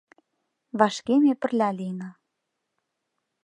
Вашке ме пырля лийына.